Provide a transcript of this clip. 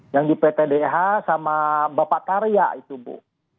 yang di ptdh sama bapak karya itu bu